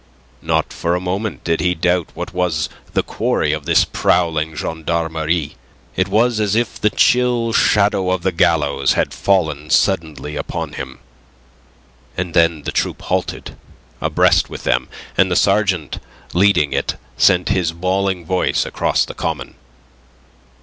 Not for a moment did he doubt what was the quarry of this prowling gendarmerie. It was as if the chill shadow of the gallows had fallen suddenly upon him. And then the troop halted, abreast with them, and the sergeant leading it sent his bawling voice across the common.